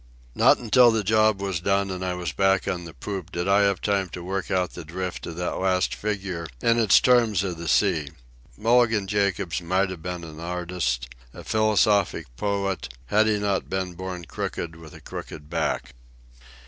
Not until the job was done and I was back on the poop did I have time to work out the drift of that last figure in its terms of the sea. Mulligan Jacobs might have been an artist, a philosophic poet, had he not been born crooked with a crooked back.